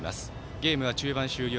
ゲームは中盤終了